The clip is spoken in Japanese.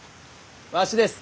わしです